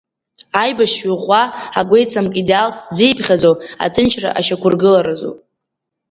Аибашьҩы ӷәӷәа, агәеицамк идеалс дзиԥхьаӡо аҭынчра ашьақәргыларазоуп.